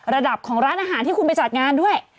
ระดับของร้านอาหารที่คุณไปจัดงานด้วย